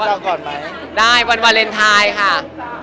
สัมภาษณ์ด้วยค่ะได้วันวาเลนไทยค่ะ